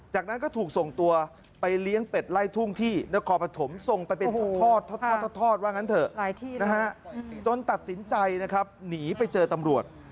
จนตัดสินใจนะครับหนีไปเจอตำรวจ